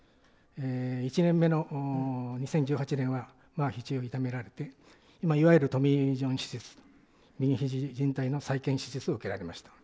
１年目の２０１８年は、ひじを痛められて、いわゆるトミー・ジョン手術右肘靭帯の再建手術を行われました。